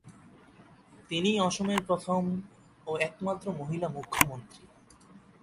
তিনিই অসমের প্রথম ও একমাত্র মহিলা মুখ্যমন্ত্রী।